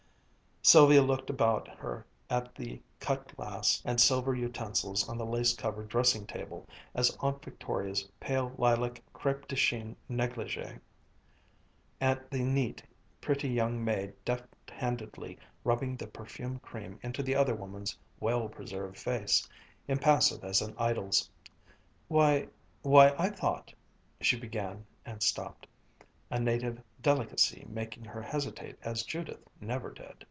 Sylvia looked about her at the cut glass and silver utensils on the lace covered dressing table, at Aunt Victoria's pale lilac crêpe de chine négligée, at the neat, pretty young maid deft handedly rubbing the perfumed cream into the other woman's well preserved face, impassive as an idol's. "Why why, I thought " she began and stopped, a native delicacy making her hesitate as Judith never did.